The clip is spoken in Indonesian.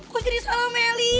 kok jadi salah meli